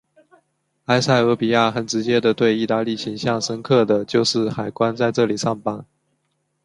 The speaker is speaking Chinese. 埃塞俄比亚很直接的对意大利印象深刻的就是海关在这里上班。